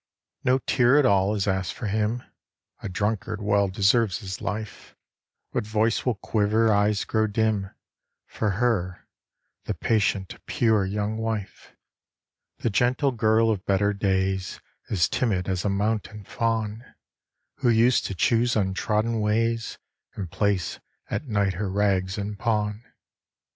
No tear at all is asked for him A drunkard well deserves his life; But voice will quiver, eyes grow dim, For her, the patient, pure young wife, The gentle girl of better days, As timid as a mountain fawn, Who used to choose untrodden ways, And place at night her rags in pawn.